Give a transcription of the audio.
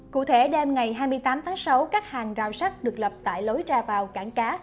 cụ thể đêm ngày hai mươi tám tháng sáu các hàng rào sắt được lập tại lối ra vào cảng cá